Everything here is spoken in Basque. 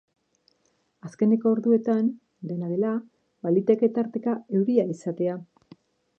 Azkeneko orduetan, dena dela, baliteke tarteka euria izatea.